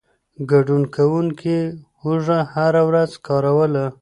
ګډون کوونکو هوږه هره ورځ کاروله.